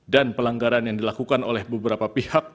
dan pelanggaran yang dilakukan oleh beberapa pihak